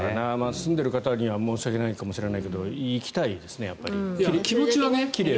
住んでる方には申し訳ないかもしれないけど気持ちはね。